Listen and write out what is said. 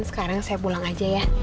sekarang saya pulang aja ya